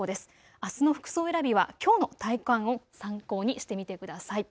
あすの服装選びはきょうの体感を参考にしてみてください。